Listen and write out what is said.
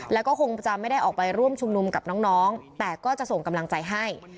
แล้วก็คงจะไม่ได้ออกไปร่วมชุมนุมกับน้องแต่ก็จะส่งกำลังใจให้